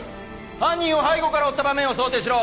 犯人を背後から追った場面を想定しろ。